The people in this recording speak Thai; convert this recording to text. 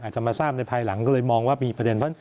จะมาทราบในภายหลังก็เลยมองว่ามีประเด็นเพราะ